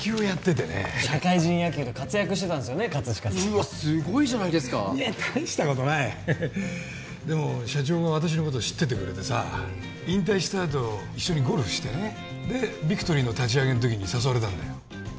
うわっすごいじゃないですか大したことないでも社長が私のこと知っててくれてさ引退したあと一緒にゴルフしてねでビクトリーの立ち上げの時に誘われたんだよ